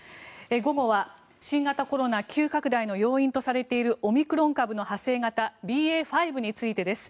午後は新型コロナ急拡大の要因とされているオミクロン株の派生型ＢＡ．５についてです。